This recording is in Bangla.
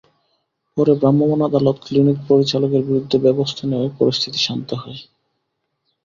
পরে ভ্রাম্যমাণ আদালত ক্লিনিক পরিচালকের বিরুদ্ধে ব্যবস্থা নেওয়ায় পরিস্থিতি শান্ত হয়।